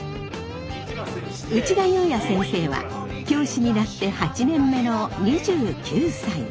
内田裕也先生は教師になって８年目の２９歳。